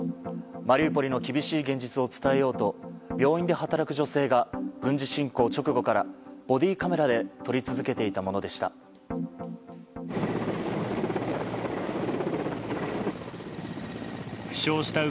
マリウポリの厳しい現実を伝えようと病院で働く女性が軍事侵攻直後からボディーカメラで撮り続けていたものでした。